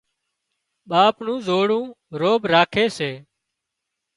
ٻاپ نُون زوڙون روڀ راکي سي